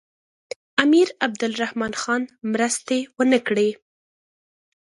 امیر عبدالرحمن خان مرستې ونه کړې.